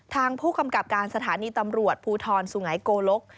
ทางผู้กำกับการสถานีตำรวจภูทรสุงัยโกลก